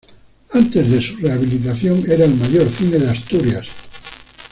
Antes de su rehabilitación era el mayor cine de Asturias.